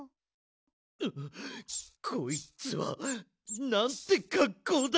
うっこいつはなんてかっこうだ！